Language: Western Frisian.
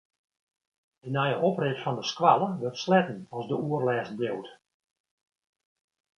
De nije oprit fan de skoalle wurdt sletten as de oerlêst bliuwt.